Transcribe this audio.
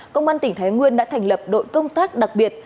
công an tỉnh thái nguyên đã thành lập đội công tác đặc biệt